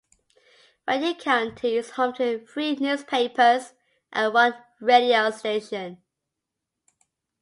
Fayette County is home to three newspapers and one radio station.